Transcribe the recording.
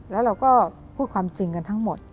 แล้วเราก็พูดความจริงกันทั้งหมด